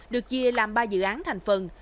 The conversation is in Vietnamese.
được chia làm ba dự án thành phần